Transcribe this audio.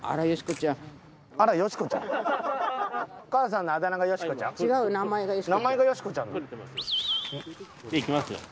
じゃいきますよ。